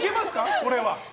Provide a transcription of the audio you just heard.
これは。